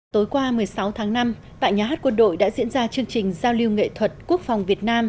tối qua một mươi sáu tháng năm tại nhà hát quân đội đã diễn ra chương trình giao lưu nghệ thuật quốc phòng việt nam